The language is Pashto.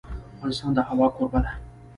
افغانستان د هوا کوربه دی.